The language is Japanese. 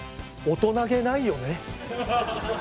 大人げないよね。